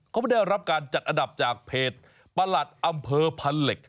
เขาไม่ได้รับการจัดอันดับจากเพจประหลัดอำเภอพันเหล็ก